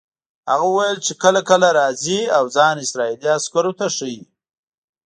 هغه وویل چې کله کله راځي او ځان اسرائیلي عسکرو ته ښیي.